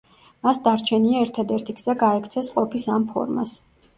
მას დარჩენია ერთადერთი გზა გაექცეს ყოფის ამ ფორმას.